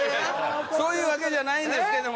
そういうわけじゃないんですけども。